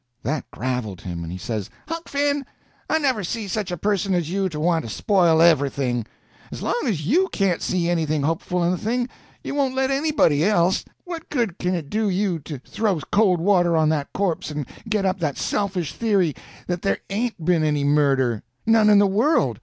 That graveled him, and he says: "Huck Finn, I never see such a person as you to want to spoil everything. As long as you can't see anything hopeful in a thing, you won't let anybody else. What good can it do you to throw cold water on that corpse and get up that selfish theory that there ain't been any murder? None in the world.